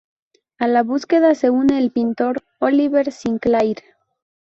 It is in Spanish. A la búsqueda se une el pintor Olivier Sinclair.